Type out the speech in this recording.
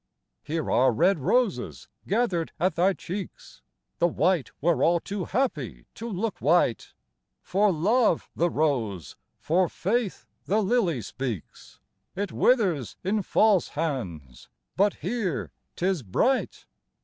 Here are red roses, gather'd at thy cheeks, The white were all too happy to look white: For love the rose, for faith the lily speaks; It withers in false hands, but here 'tis bright!